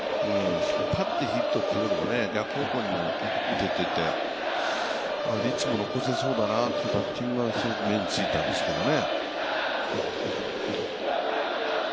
引っ張ってヒットというよりも、逆方向に打てていて、率も残せそうだなというバッティングがすごく目についたんですけどね。